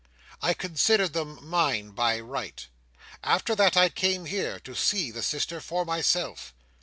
I considered them mine by right. After that, I came here to see the sister for myself.